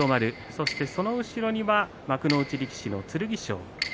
そして、その後ろには幕内力士の剣翔。